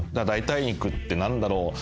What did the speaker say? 「代替肉って何だろう？」